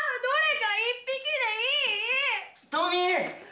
どれか１匹でいい！